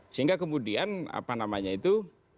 sehingga kemudian apa namanya itu